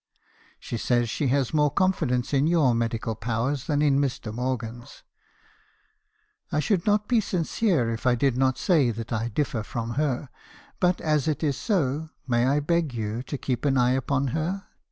She says she has more confidence in your medical powers than in Mr. Morgan's. I should not be sincere if I did not say that I differ from her ; but as it is so , may I beg you to keep an eye upon her?